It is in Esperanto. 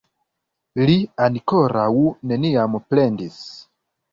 Li ankoraŭ neniam plendis.